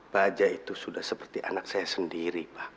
baja itu sudah seperti anak saya sendiri pak